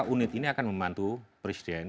unit ini akan membantu presiden